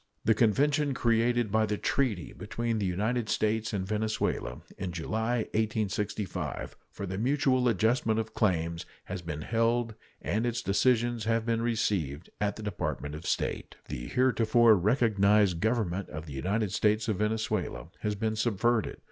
The convention created by treaty between the United States and Venezuela in July, 1865, for the mutual adjustment of claims, has been held, and its decisions have been received at the Department of State. The heretofore recognized Government of the United States of Venezuela has been subverted.